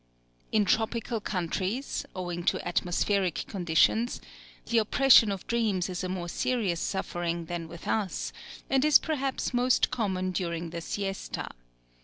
In tropical countries, owing to atmospheric conditions, the oppression of dreams is a more serious suffering than with us, and is perhaps most common during the siesta.